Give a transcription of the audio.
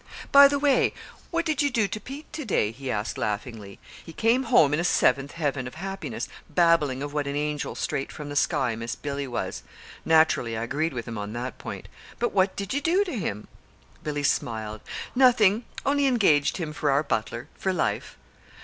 "By the way, what did you do to Pete to day?" he asked laughingly. "He came home in a seventh heaven of happiness babbling of what an angel straight from the sky Miss Billy was. Naturally I agreed with him on that point. But what did you do to him?" Billy smiled. "Nothing only engaged him for our butler for life."